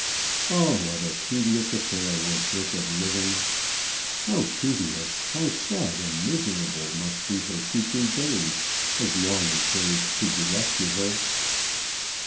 Oh, what a tedious affair was this of living! How tedious, how sad and miserable, must her future days be, as long as days should be left to her!